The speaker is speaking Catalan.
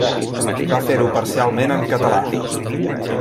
Va fer-ho parcialment en català.